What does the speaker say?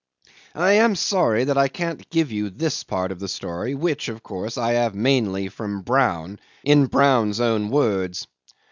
'I am sorry that I can't give you this part of the story, which of course I have mainly from Brown, in Brown's own words.